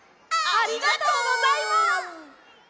ありがとうございます。